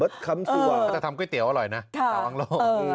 แต่ทำก๋วยเตี๋ยวอร่อยนะเตาอ้างโล